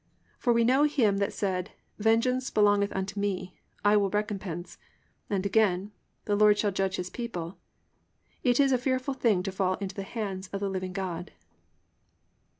(30) For we know him that said, Vengeance belongeth unto me, I will recompense. And again, The Lord shall judge his people. (31) It is a fearful thing to fall into the hands of the living God."